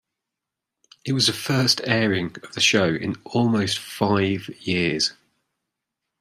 It was the first airing of the show in almost five years.